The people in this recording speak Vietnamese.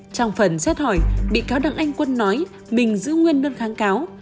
trong phần xét hỏi bị cáo đảng anh quân nói mình giữ nguyên nơn kháng cáo